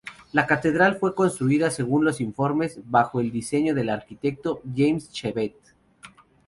La catedral fue construida según los informes, bajo el diseño del arquitecto James Chevette.